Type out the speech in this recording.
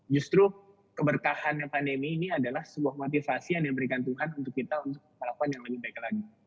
justru keberkahannya pandemi ini adalah sebuah motivasi yang diberikan tuhan untuk kita untuk melakukan yang lebih baik lagi